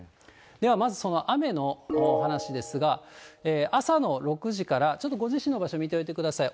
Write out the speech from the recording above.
ではまず、その雨の話ですが、朝の６時からちょっとご自身の場所見ておいてください。